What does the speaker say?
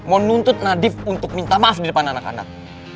menuntut nadif untuk minta maaf di depan anak anak